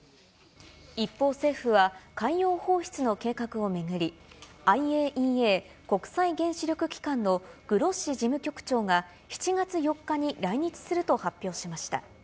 一方、政府は、海洋放出の計画を巡り、ＩＡＥＡ・国際原子力機関のグロッシ事務局長が７月４日に来日すると発表しました。